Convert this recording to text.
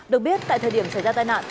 được biết tại thời điểm xảy ra tai nạn